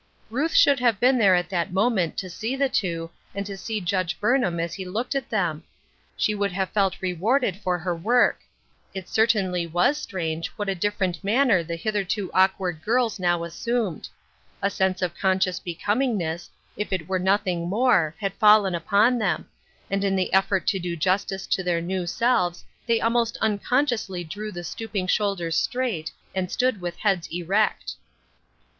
Ruth should have been there at that moment to see the two, and to see Judge Burnham as he looked at them. She would have felt rewarded for her work. It certainly was strange what a 858 Ruth Erskine's Crosses, dilBPerent manner the hitherto awkward girls no ^ assumed. A sense of conscious becomingness, if it were nothing more, had fallen upon them^ and in the effort to do justice to their new selves they almost unconsciously drew the stooping shoulders straight and stood with heads erect.